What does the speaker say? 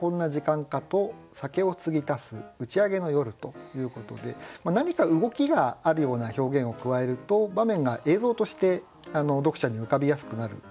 ということで何か動きがあるような表現を加えると場面が映像として読者に浮かびやすくなると思います。